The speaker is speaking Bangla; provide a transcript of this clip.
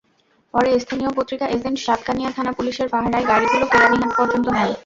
পরে স্থানীয় পত্রিকা এজেন্ট সাতকানিয়া থানা পুলিশের পাহারায় গাড়িগুলো কেরানীহাট পর্যন্ত নেন।